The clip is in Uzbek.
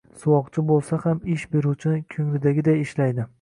suvoqchi bo‘lsa ham ish beruvchini ko‘nglidagiday ishlaydi.